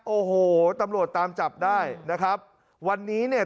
โอ้โหตำรวจตามจับได้นะครับวันนี้เนี่ย